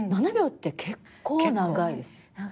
７秒って結構長いですよ。